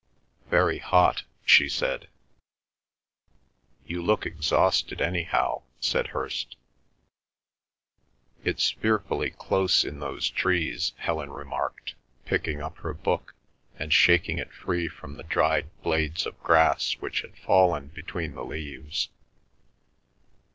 "Very hot," she said. "You look exhausted anyhow," said Hirst. "It's fearfully close in those trees," Helen remarked, picking up her book and shaking it free from the dried blades of grass which had fallen between the leaves.